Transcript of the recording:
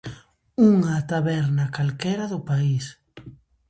Unha taberna calquera do país.